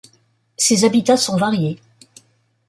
Ses habitats sont variés.